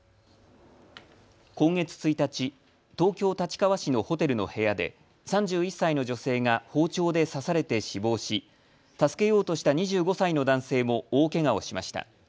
今月１日、東京立川市のホテルの部屋で３１歳の女性が包丁で刺されて死亡し助けようとした２５歳の男性も大けがをしました。